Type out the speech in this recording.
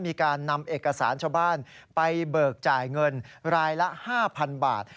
มีการนำเอกสารชาวบ้านไปเบิกจ่ายเงินรายละ๕๐๐๐บาท